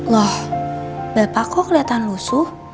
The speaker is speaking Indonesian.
dih dapet tega ang ils